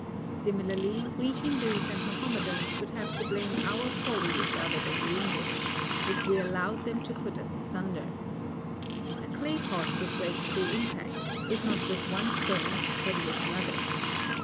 Similarly, we Hindus and Mahomedans would have to blame our folly rather than the English, if we allowed them to put us asunder. A claypot would break through impact; if not with one stone, then with another.